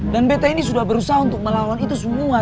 dan beta ini sudah berusaha untuk melawan itu semua